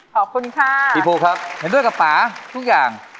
ขอบคุณค่ะพี่ภูครับเห็นด้วยกับป่าทุกอย่าง